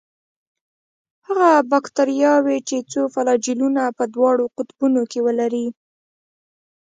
هغه باکتریاوې چې څو فلاجیلونه په دواړو قطبونو کې ولري.